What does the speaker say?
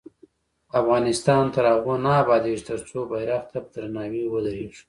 افغانستان تر هغو نه ابادیږي، ترڅو بیرغ ته په درناوي ودریږو.